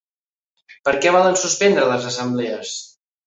Per què volen suspendre les Assemblees?